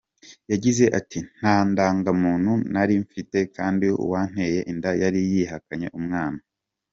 Yagize ati “Nta ndangamuntu nari mfite kandi uwanteye inda yari yihakanye umwana.